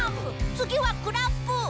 つぎはクラップ！